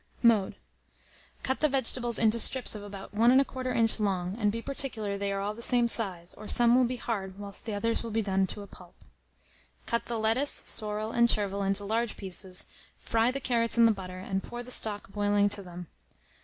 Mode. Cut the vegetables into strips of about 1 1/4 inch long, and be particular they are all the same size, or some will be hard whilst the others will be done to a pulp. Cut the lettuce, sorrel, and chervil into larger pieces; fry the carrots in the butter, and pour the stock boiling to them.